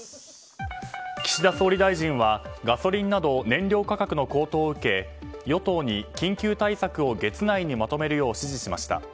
岸田総理大臣はガソリンなど燃料価格の高騰を受け与党に緊急対策を月内にまとめるよう指示しました。